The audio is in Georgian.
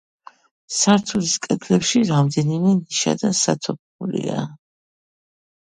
სართულის კედლებში რამდენიმე ნიშა და სათოფურია.